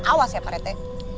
awas ya pak rete